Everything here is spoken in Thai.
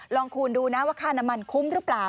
คูณดูนะว่าค่าน้ำมันคุ้มหรือเปล่า